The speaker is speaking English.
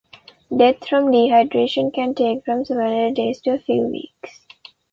Death from dehydration can take from several days to a few weeks.